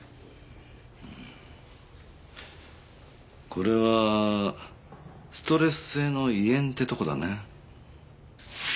これはストレス性の胃炎ってとこだね。